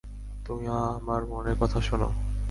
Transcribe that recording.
তুমি আমার মনের কথা শোন।